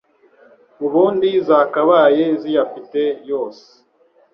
ubundi zakabaye ziyafite yose